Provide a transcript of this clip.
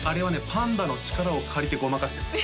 パンダの力を借りてごまかしてます